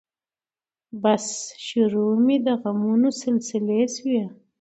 بس شروع مې د غمونو سلسلې شوې